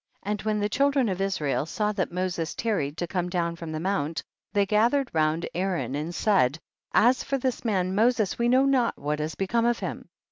12. And when the children of Is rael saw that Moses tarried to come down from the mount, they gathered round Aaron, and said, as for this man Moses we know not what has become of him.